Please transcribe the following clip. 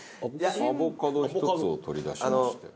アボカド１つを取り出しました。